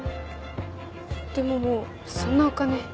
でももうそんなお金。